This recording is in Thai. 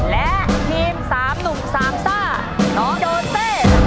และทีม๓หนุ่มสามซ่าน้องโดเต้